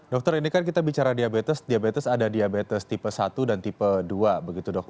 dokter ini kan kita bicara diabetes diabetes ada diabetes tipe satu dan tipe dua begitu dok